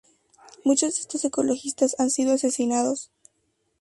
Muchos de estos ecologistas han sido asesinados.